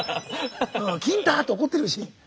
「きんた！」って怒ってるし。